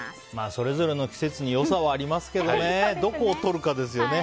それぞれの季節に良さはありますけどねどこをとるかですよね。